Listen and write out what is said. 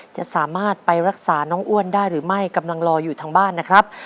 จะสามารถไปรักษาน้องอ้วนได้หรือไม่กำลังรออยู่ทางบ้านนะครับ